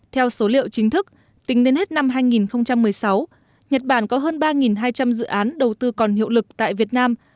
theo số liệu chính thức tính đến hết năm hai nghìn một mươi sáu nhật bản có hơn ba hai trăm linh dự án đầu tư còn hiệu lực tại việt nam